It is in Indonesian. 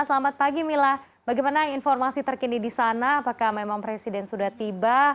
selamat pagi mila bagaimana informasi terkini di sana apakah memang presiden sudah tiba